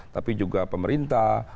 tapi juga pemerintah pemerintah